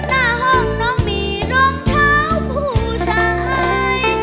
หน้าห้องน้องมีรองเท้าผู้ชาย